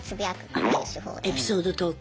あエピソードトーク。